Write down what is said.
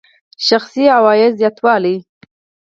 شخصي عوایدو زیاتوالی.